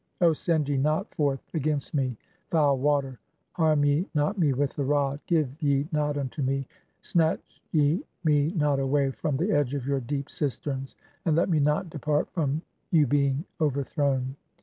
O send ye not "forth against me foul water, harm ye not me (14) with the rod, "give ye not unto [me] , snatch ye me not away from "the edge of your deep cisterns, and let me not depart from "you being (15) overthrown.